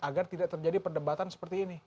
agar tidak terjadi perdebatan seperti ini